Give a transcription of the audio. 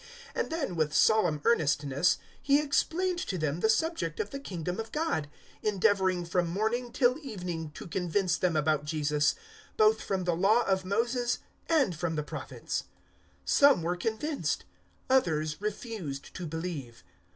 And then, with solemn earnestness, he explained to them the subject of the Kingdom of God, endeavouring from morning till evening to convince them about Jesus, both from the Law of Moses and from the Prophets. 028:024 Some were convinced; others refused to believe.